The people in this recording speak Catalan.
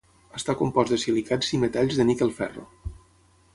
Està compost de silicats i metalls de níquel-ferro.